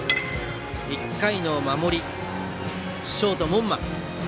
１回の守りショート、門間。